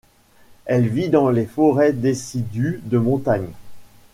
Elle vit dans les forêts décidues de montagne.